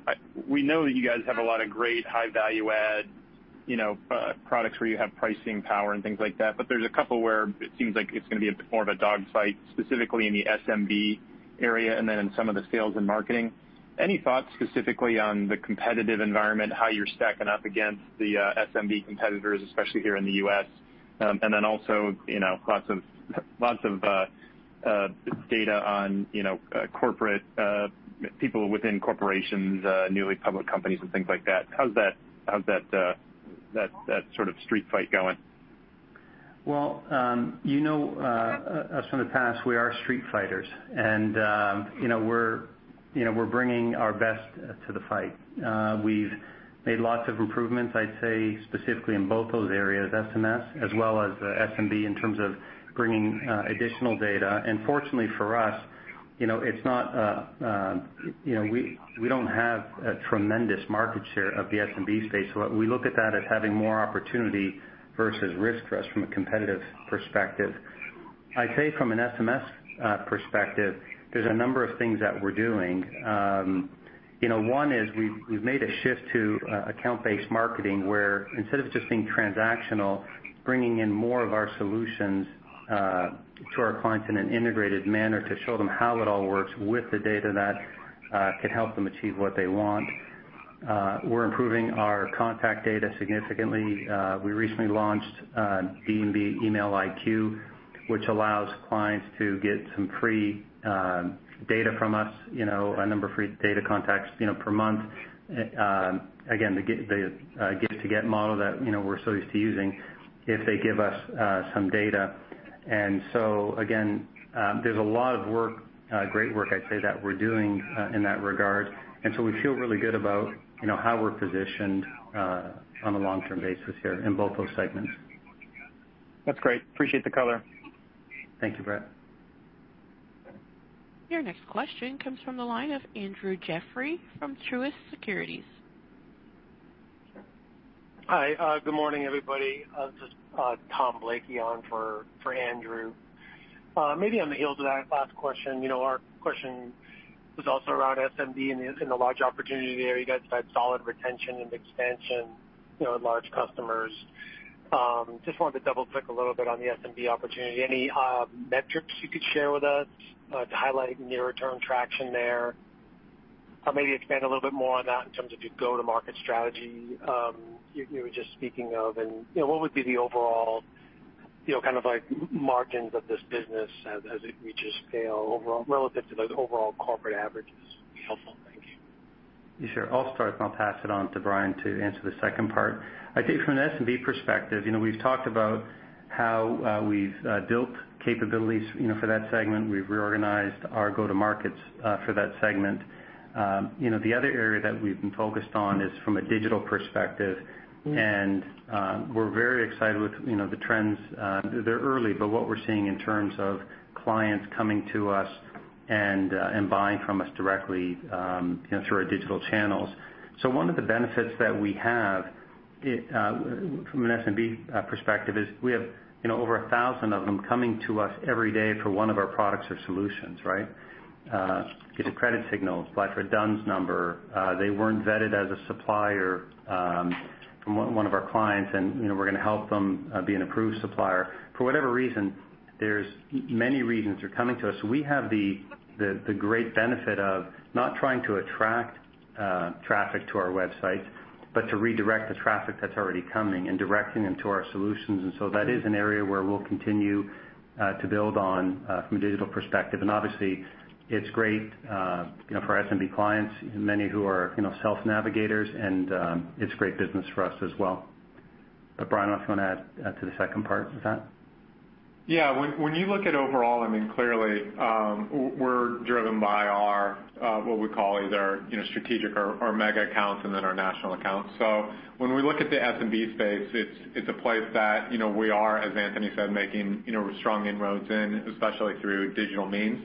a couple where it seems like it's going to be a bit more of a dogfight, specifically in the SMB area and then in some of the S&M. Any thoughts specifically on the competitive environment, how you're stacking up against the SMB competitors, especially here in the U.S.? Also lots of data on people within corporations, newly public companies and things like that. How's that sort of street fight going? Well, you know us from the past. We are street fighters, and we're bringing our best to the fight. We've made lots of improvements, I'd say, specifically in both those areas, S&M as well as SMB, in terms of bringing additional data. Fortunately for us, we don't have a tremendous market share of the SMB space. We look at that as having more opportunity versus risk for us from a competitive perspective. I'd say from an S&M perspective, there's a number of things that we're doing. One is we've made a shift to account-based marketing where instead of just being transactional, bringing in more of our solutions to our clients in an integrated manner to show them how it all works with the data that could help them achieve what they want. We're improving our contact data significantly. We recently launched D&B Email IQ, which allows clients to get some free data from us, a number of free data contacts per month. Again, the give to get model that we're so used to using if they give us some data. Again, there's a lot of great work I'd say that we're doing in that regard. We feel really good about how we're positioned on a long-term basis here in both those segments. That's great. Appreciate the color. Thank you, Brett. Your next question comes from the line of Andrew Jeffrey from Truist Securities. Hi. Good morning, everybody. This is Tom Blakey on for Andrew. Maybe on the heels of that last question, our question was also around SMB and the large opportunity there. You guys have had solid retention and expansion in large customers. Just wanted to double click a little bit on the SMB opportunity. Any metrics you could share with us to highlight nearer term traction there? Maybe expand a little bit more on that in terms of your go to market strategy you were just speaking of, and what would be the overall kind of like margins of this business as it reaches scale overall relative to those overall corporate averages would be helpful, thanks. Yeah, sure. I'll start, and I'll pass it on to Bryan to answer the second part. I think from an SMB perspective, we've talked about how we've built capabilities for that segment. We've reorganized our go to markets for that segment. The other area that we've been focused on is from a digital perspective, and we're very excited with the trends. They're early, but what we're seeing in terms of clients coming to us and buying from us directly through our digital channels. One of the benefits that we have from an SMB perspective is we have over 1,000 of them coming to us every day for one of our products or solutions, right? Get a credit signal, buy for a D-U-N-S Number. They weren't vetted as a supplier from one of our clients, and we're going to help them be an approved supplier. For whatever reason, there's many reasons they're coming to us. We have the great benefit of not trying to attract traffic to our website, but to redirect the traffic that's already coming and directing them to our solutions. That is an area where we'll continue to build on from a digital perspective. Obviously it's great for SMB clients, many who are self navigators, and it's great business for us as well. Bryan, if you want to add to the second part of that. When you look at overall, clearly we're driven by what we call either strategic or mega accounts, and then our national accounts. When we look at the SMB space, it's a place that we are, as Anthony said, making strong inroads in, especially through digital means.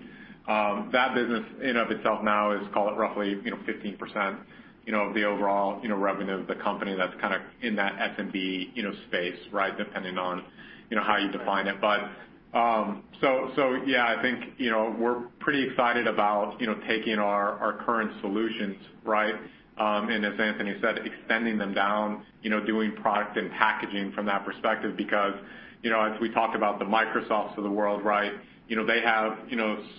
That business in of itself now is, call it roughly 15%, the overall revenue of the company that's kind of in that SMB space, right? Depending on how you define it. I think we're pretty excited about taking our current solutions, right? As Anthony said, extending them down, doing product and packaging from that perspective, because as we talk about the Microsofts of the world, right? They have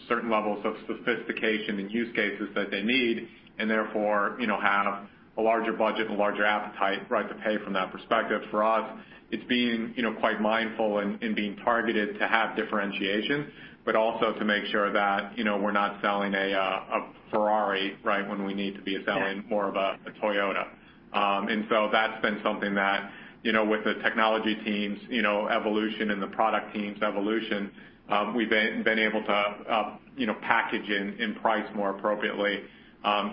certain levels of sophistication and use cases that they need and therefore have a larger budget and a larger appetite, right? To pay from that perspective. For us, it's being quite mindful and being targeted to have differentiation, but also to make sure that we're not selling a Ferrari, right, when we need to be selling more of a Toyota. That's been something that with the technology teams' evolution and the product teams' evolution, we've been able to package and price more appropriately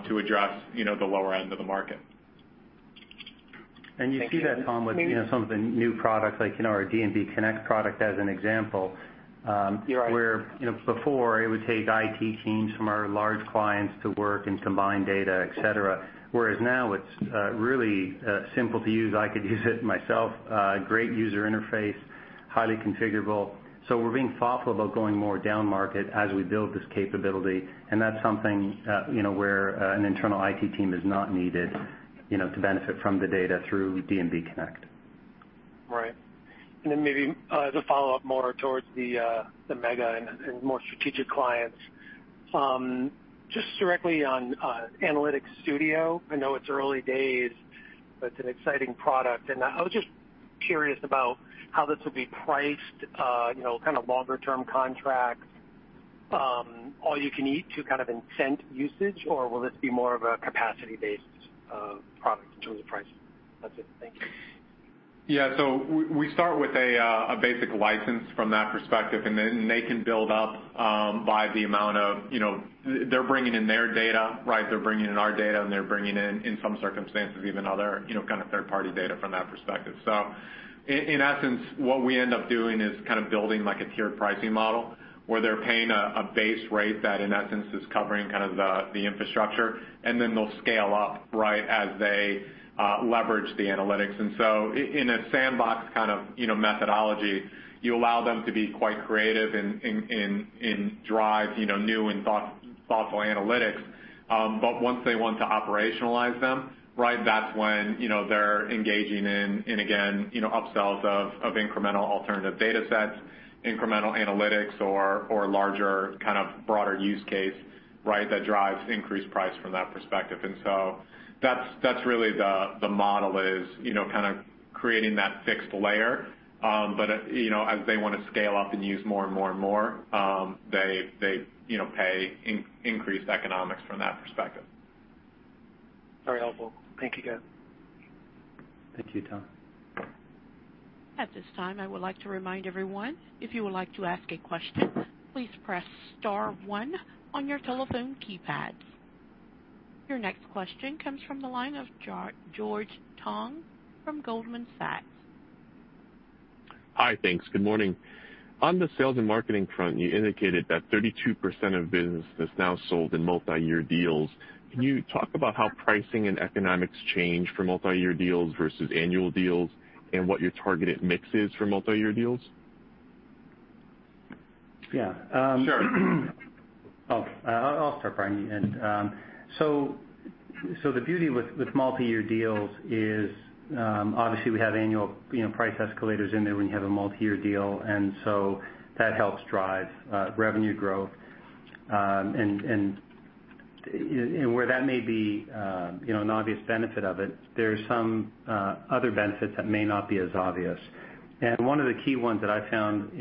to address the lower end of the market. You see that, Tom, with some of the new products like our D&B Connect product as an example. You're right. Where before it would take IT teams from our large clients to work and combine data, et cetera. Whereas now it's really simple to use. I could use it myself. Great user interface, highly configurable. We're being thoughtful about going more down market as we build this capability, and that's something where an internal IT team is not needed to benefit from the data through D&B Connect. Right. Maybe as a follow-up more towards the mega and more strategic clients. Just directly on Analytics Studio. I know it's early days, but it's an exciting product. I was just curious about how this will be priced, kind of longer-term contracts, all you can eat to kind of incent usage, or will this be more of a capacity-based product in terms of pricing? That's it. Thank you. Yeah. We start with a basic license from that perspective, and then they can build up by the amount of They're bringing in their data, right? They're bringing in our data, and they're bringing in some circumstances, even other kind of third-party data from that perspective. In essence, what we end up doing is kind of building like a tiered pricing model, where they're paying a base rate that, in essence, is covering kind of the infrastructure, and then they'll scale up right as they leverage the analytics. In a sandbox kind of methodology, you allow them to be quite creative and drive new and thoughtful analytics. Once they want to operationalize them, that's when they're engaging in, again, upsells of incremental alternative data sets, incremental analytics, or larger kind of broader use case that drives increased price from that perspective. That's really the model is kind of creating that fixed layer. As they want to scale up and use more and more and more, they pay increased economics from that perspective. Very helpful. Thank you, guys. Thank you, Tom. At this time, I would like to remind everyone, if you would like to ask a question, please press star one on your telephone keypads. Your next question comes from the line of George Tong from Goldman Sachs. Hi, thanks. Good morning. On the sales and marketing front, you indicated that 32% of business is now sold in multi-year deals. Can you talk about how pricing and economics change for multi-year deals versus annual deals and what your targeted mix is for multi-year deals? Yeah. Sure. I'll start, Bryan. You end. The beauty with multi-year deals is, obviously we have annual price escalators in there when you have a multi-year deal, that helps drive revenue growth. Where that may be an obvious benefit of it, there are some other benefits that may not be as obvious. One of the key ones that I've found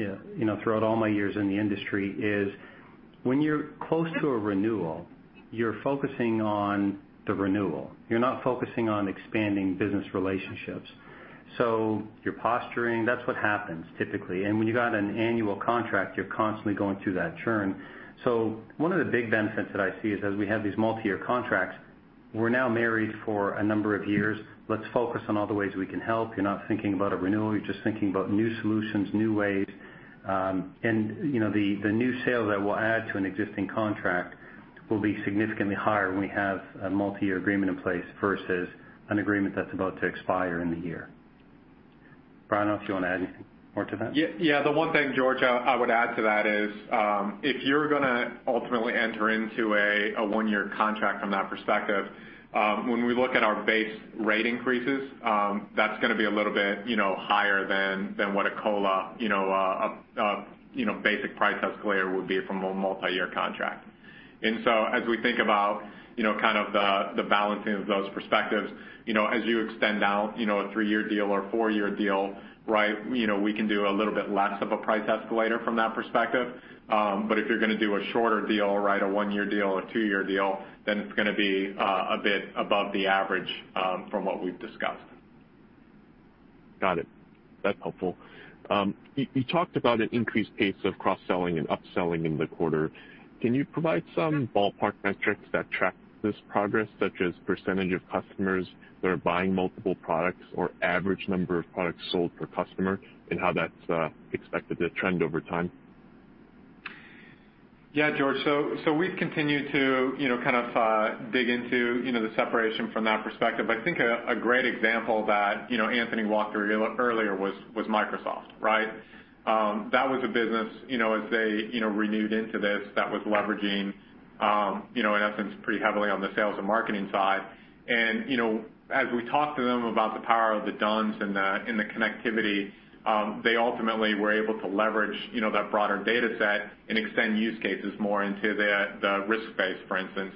throughout all my years in the industry is when you're close to a renewal, you're focusing on the renewal. You're not focusing on expanding business relationships. You're posturing. That's what happens typically. When you've got an annual contract, you're constantly going through that churn. One of the big benefits that I see is as we have these multi-year contracts, we're now married for a number of years. Let's focus on all the ways we can help. You're not thinking about a renewal. You're just thinking about new solutions, new ways. The new sale that we'll add to an existing contract will be significantly higher when we have a multi-year agreement in place versus an agreement that's about to expire in the year. Bryan, I don't know if you want to add anything more to that. The one thing, George, I would add to that is, if you're going to ultimately enter into a one-year contract from that perspective, when we look at our base rate increases, that's going to be a little bit higher than what a COLA, a basic price escalator would be from a multi-year contract. As we think about kind of the balancing of those perspectives, as you extend out a three-year deal or a four-year deal, we can do a little bit less of a price escalator from that perspective. But if you're going to do a shorter deal, a one-year deal, a two-year deal, then it's going to be a bit above the average from what we've discussed. Got it. That's helpful. You talked about an increased pace of cross-selling and upselling in the quarter. Can you provide some ballpark metrics that track this progress, such as percentage of customers that are buying multiple products or average number of products sold per customer, and how that's expected to trend over time? George. We've continued to kind of dig into the separation from that perspective. I think a great example that Anthony walked through earlier was Microsoft, right? That was a business, as they renewed into this, that was leveraging, in essence, pretty heavily on the sales and marketing side. As we talked to them about the power of the D-U-N-S and the connectivity, they ultimately were able to leverage that broader data set and extend use cases more into the risk space, for instance,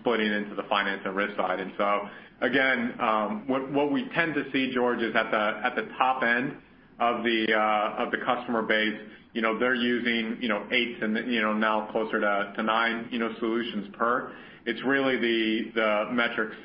splitting into the finance and risk side. Again, what we tend to see, George, is at the top end of the customer base, they're using eight and now closer to nine solutions per. It's really the metrics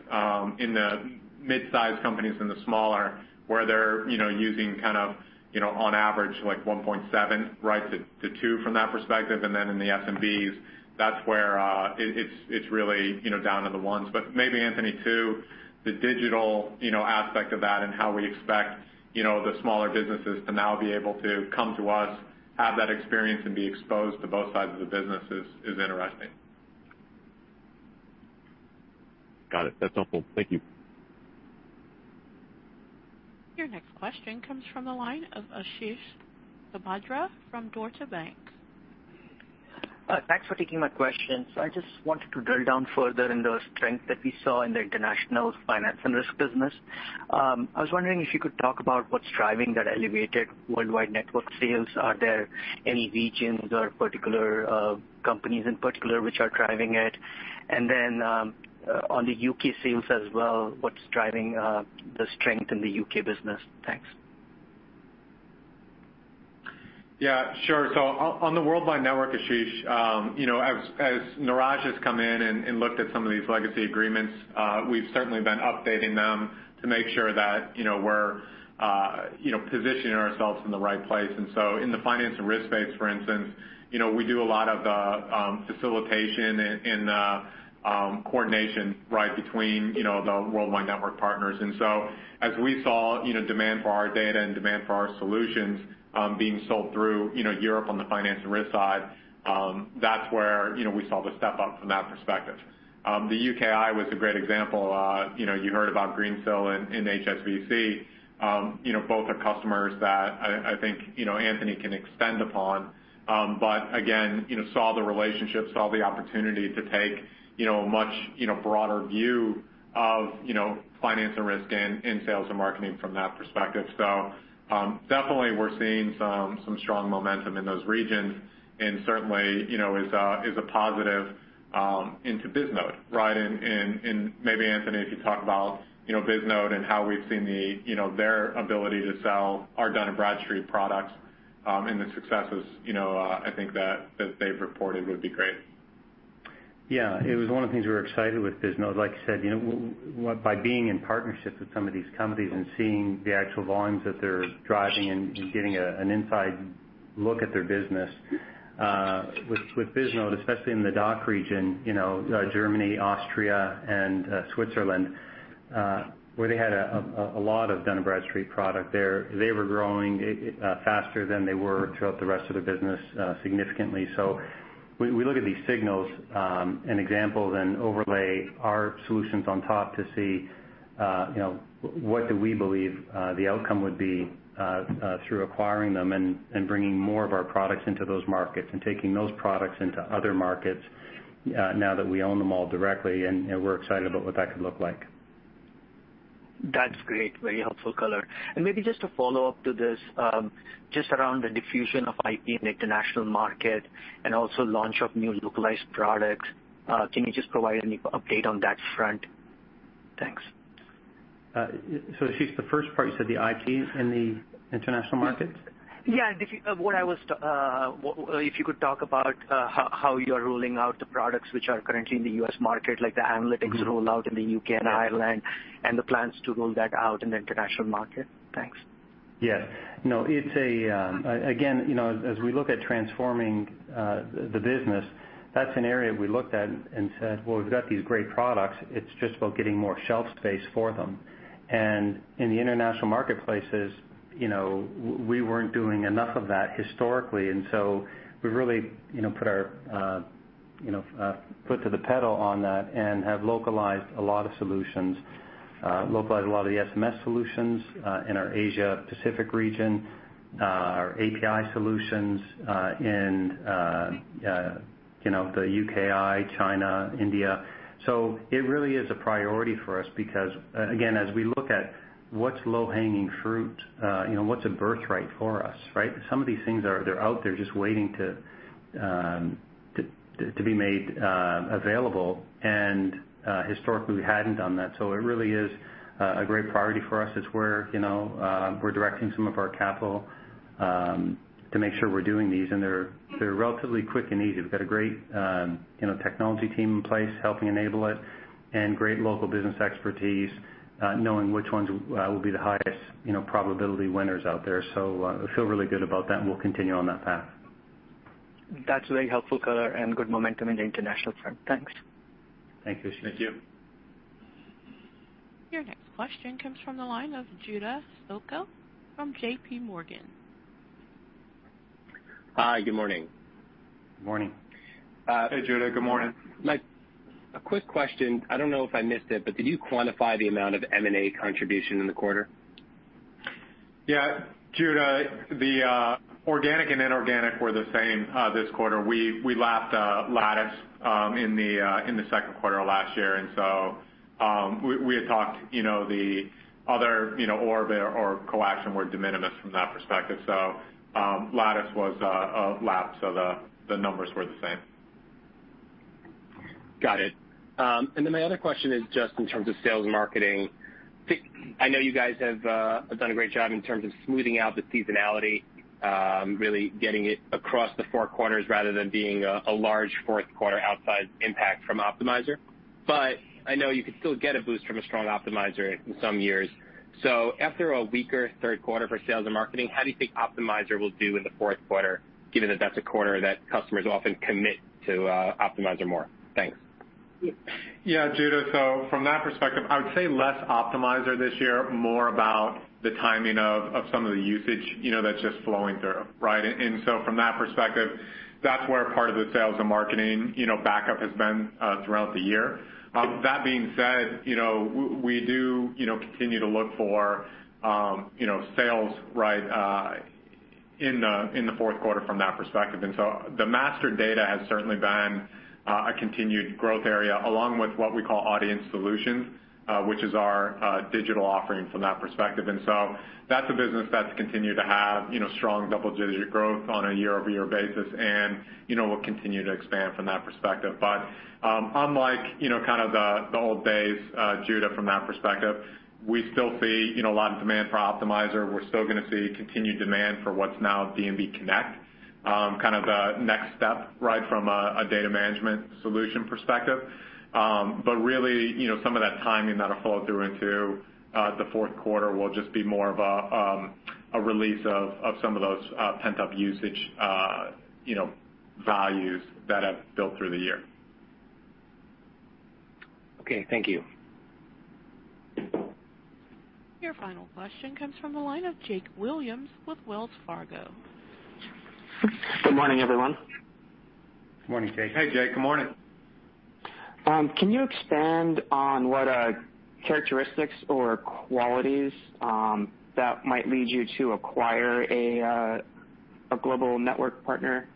in the mid-size companies and the smaller, where they're using kind of on average like 1.7 to two from that perspective. Then in the SMBs, that's where it's really down to the ones. Maybe Anthony, too, the digital aspect of that and how we expect the smaller businesses to now be able to come to us, have that experience, and be exposed to both sides of the business is interesting. Got it. That's helpful. Thank you. Your next question comes from the line of Ashish Sabadra from Deutsche Bank. Thanks for taking my question. I just wanted to drill down further in the strength that we saw in the international finance and risk business. I was wondering if you could talk about what's driving that elevated worldwide network sales. Are there any regions or particular companies in particular which are driving it? On the U.K. sales as well, what's driving the strength in the U.K. business? Thanks. Yeah, sure. On the Worldwide Network, Ashish as Neeraj has come in and looked at some of these legacy agreements, we've certainly been updating them to make sure that we're positioning ourselves in the right place. In the finance and risk space, for instance, we do a lot of the facilitation and coordination between the Worldwide Network partners. As we saw demand for our data and demand for our solutions being sold through Europe on the finance and risk side, that's where we saw the step up from that perspective. The UKI was a great example. You heard about Greensill and HSBC, both are customers that I think Anthony can expand upon. Again, saw the relationship, saw the opportunity to take a much broader view of finance and risk in sales and marketing from that perspective. Definitely we're seeing some strong momentum in those regions and certainly is a positive into Bisnode, right? Maybe Anthony, if you talk about Bisnode and how we've seen their ability to sell our Dun & Bradstreet products and the successes I think that they've reported would be great. Yeah. It was one of the things we were excited with Bisnode. Like I said by being in partnerships with some of these companies and seeing the actual volumes that they're driving and getting an inside look at their business with Bisnode, especially in the DACH region Germany, Austria, and Switzerland where they had a lot of Dun & Bradstreet product there. They were growing faster than they were throughout the rest of their business significantly. We look at these signals and examples and overlay our solutions on top to see what do we believe the outcome would be through acquiring them and bringing more of our products into those markets and taking those products into other markets now that we own them all directly, we're excited about what that could look like. That's great. Very helpful color. Maybe just to follow up to this just around the diffusion of IP in the international market and also launch of new localized products. Can you just provide any update on that front? Thanks. Ashish the first part you said the IP in the international market? Yeah. If you could talk about how you are rolling out the products which are currently in the U.S. market, like the analytics rollout in the U.K. and Ireland, and the plans to roll that out in the international market. Thanks. Yes. Again, as we look at transforming the business, that's an area we looked at and said, well, we've got these great products. It's just about getting more shelf space for them. In the international marketplaces we weren't doing enough of that historically. We really put the pedal on that and have localized a lot of the S&M solutions in our Asia Pacific region, our API solutions in the UKI, China, India. It really is a priority for us because, again, as we look at what's low-hanging fruit, what's a birthright for us, right? Some of these things are out there just waiting to be made available. Historically we hadn't done that. It really is a great priority for us. It's where we're directing some of our capital to make sure we're doing these, they're relatively quick and easy. We've got a great technology team in place helping enable it and great local business expertise knowing which ones will be the highest probability winners out there. I feel really good about that, we'll continue on that path. That's very helpful color and good momentum in the international front. Thanks. Thanks, Ashish. Thank you. Your next question comes from the line of Judah Sokel from JPMorgan. Hi. Good morning. Good morning. Hey Judah, good morning. A quick question. I don't know if I missed it, but did you quantify the amount of M&A contribution in the quarter? Yeah. Judah, the organic and inorganic were the same this quarter. We lapped Lattice in the second quarter of last year. We had talked the other Orb or coAction were de minimis from that perspective. Lattice was lapsed, so the numbers were the same. Got it. My other question is just in terms of sales and marketing. I know you guys have done a great job in terms of smoothing out the seasonality really getting it across the four corners rather than being a large fourth quarter outsized impact from Optimizer. I know you could still get a boost from a strong Optimizer in some years. After a weaker third quarter for sales and marketing, how do you think Optimizer will do in the fourth quarter, given that that's a quarter that customers often commit to Optimizer more? Thanks. Yeah, Judah, from that perspective, I would say less Optimizer this year, more about the timing of some of the usage that's just flowing through, right? From that perspective, that's where part of the sales and marketing backup has been throughout the year. That being said we do continue to look for sales. In the fourth quarter from that perspective. The master data has certainly been a continued growth area along with what we call audience solutions, which is our digital offering from that perspective. That's a business that's continued to have strong double-digit growth on a year-over-year basis, and we'll continue to expand from that perspective. Unlike the old days, Judah, from that perspective, we still see a lot of demand for Optimizer. We're still going to see continued demand for what's now D&B Connect, the next step from a data management solution perspective. Really, some of that timing that'll flow through into the fourth quarter will just be more of a release of some of those pent-up usage values that have built through the year. Okay, thank you. Your final question comes from the line of Jake Williams with Wells Fargo. Good morning, everyone. Morning, Jake. Hey, Jake. Good morning. Can you expand on what characteristics or qualities that might lead you to acquire a global network partner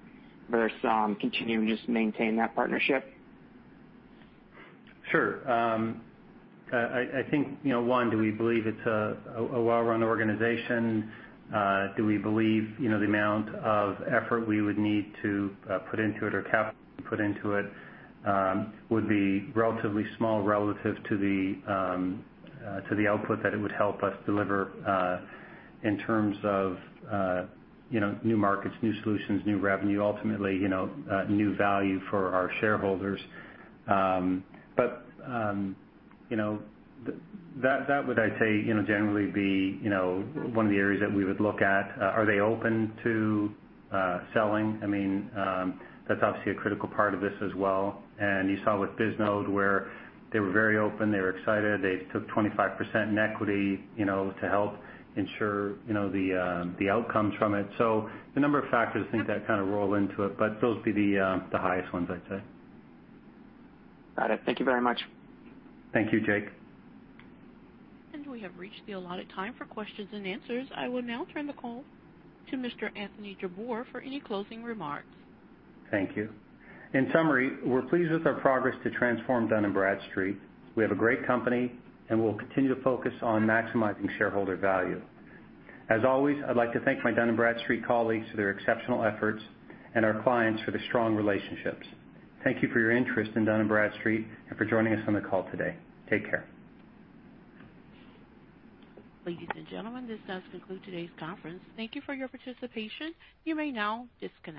versus continue and just maintain that partnership? Sure. I think, one, do we believe it's a well-run organization? Do we believe the amount of effort we would need to put into it or capital to put into it would be relatively small relative to the output that it would help us deliver in terms of new markets, new solutions, new revenue, ultimately, new value for our shareholders. That would, I'd say, generally be one of the areas that we would look at. Are they open to selling? That's obviously a critical part of this as well. You saw with Bisnode where they were very open, they were excited, they took 25% in equity to help ensure the outcomes from it. A number of factors, I think that roll into it, but those would be the highest ones, I'd say. Got it. Thank you very much. Thank you, Jake. We have reached the allotted time for Q&A. I will now turn the call to Mr. Anthony Jabbour for any closing remarks. Thank you. In summary, we're pleased with our progress to transform Dun & Bradstreet. We have a great company, and we'll continue to focus on maximizing shareholder value. As always, I'd like to thank my Dun & Bradstreet colleagues for their exceptional efforts and our clients for the strong relationships. Thank you for your interest in Dun & Bradstreet and for joining us on the call today. Take care. Ladies and gentlemen, this does conclude today's conference. Thank you for your participation. You may now disconnect.